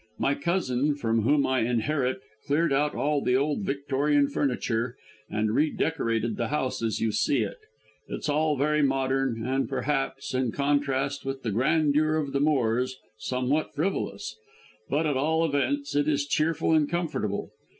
My cousin, from whom I inherit, cleared out all the old Victorian furniture and redecorated the house as you see it. It's all very modern, and perhaps, in contrast with the grandeur of the moors, somewhat frivolous. But, at all events, it is cheerful and comfortable.